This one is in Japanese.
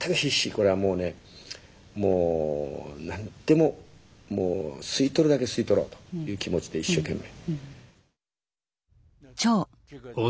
これはもうねもう何でも吸い取るだけ吸い取ろうという気持ちで一生懸命。